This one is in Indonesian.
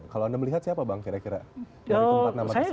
kalau anda melihat siapa bang kira kira